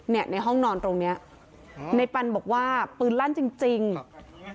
ในห้องนอนตรงเนี้ยในปันบอกว่าปืนลั่นจริงจริง